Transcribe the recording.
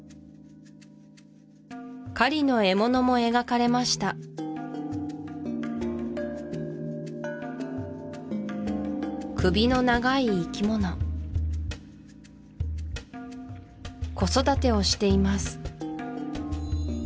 狩りの獲物も描かれました首の長い生き物子育てをしています